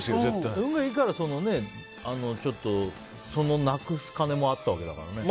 運がいいからなくす金もあったわけだからね。